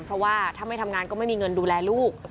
เพราะว่าถ้าไม่ทำงานก็ไม่มีเงินดูแลลูก